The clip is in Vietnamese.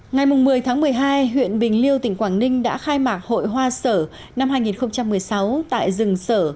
ngày một mươi tháng một mươi hai huyện bình liêu tỉnh quảng ninh đã khai mạc hội hoa sở năm hai nghìn một mươi sáu tại rừng sở